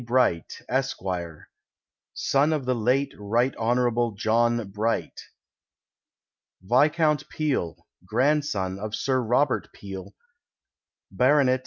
Bright, Esq., son of the late Rt. Hon. John Bright. Viscount Peel, grandson of Sir Robert Peel, Bt.